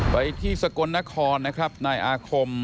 ไปที่สกลนครนะครับนายอาคม